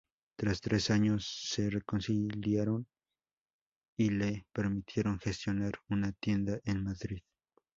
Tras tres años se reconciliaron y le permitieron gestionar una tienda en Madrid.